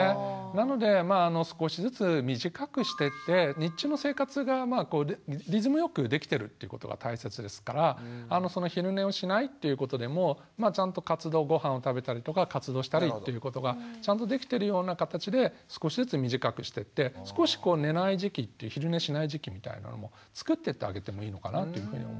なので少しずつ短くしてって日中の生活がリズムよくできてるということが大切ですから昼寝をしないということでもちゃんと活動ごはんを食べたりとか活動したりということがちゃんとできてるような形で少しずつ短くしてって少し寝ない時期昼寝しない時期みたいなのもつくってってあげてもいいのかなというふうに思います。